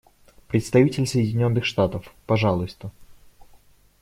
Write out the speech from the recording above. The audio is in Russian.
Представитель Соединенных Штатов, пожалуйста.